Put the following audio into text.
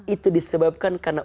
itu disebabkan karena